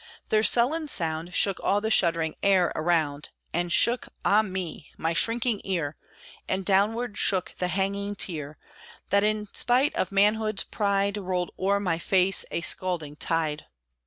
Their sullen sound Shook all the shuddering air around; And shook, ah me! my shrinking ear, And downward shook the hanging tear That, in despite of manhood's pride, Rolled o'er my face a scalding tide.